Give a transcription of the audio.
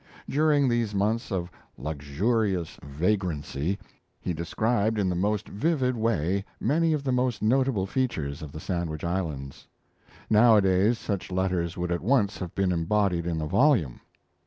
During these months of "luxurious vagrancy" he described in the most vivid way many of the most notable features of the Sandwich Islands. Nowadays such letters would at once have been embodied in a volume.